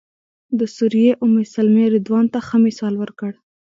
د سوریې ام سلمې رضوان ته ښه مثال ورکړ.